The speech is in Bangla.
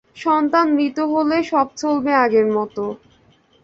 সন্তান মৃত হলে সব চলবে আগের মতো।